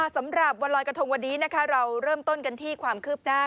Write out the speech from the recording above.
สำหรับวันลอยกระทงวันนี้นะคะเราเริ่มต้นกันที่ความคืบหน้า